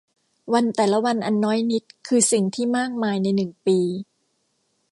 วันแต่ละวันอันน้อยนิดคือสิ่งที่มากมายในหนึ่งปี